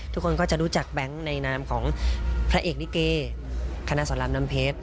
ทุกคนก็จะรู้จักแบงค์ในนามของพระเอกลิเกคณะสอนรามน้ำเพชร